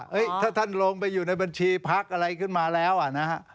ถ้าท่านลงไปอยู่ในบัญชีพักอะไรขึ้นมาแล้วอ่ะนะฮะ